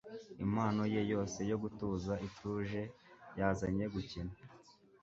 Impano ye yose yo gutuza ituje yazanye gukina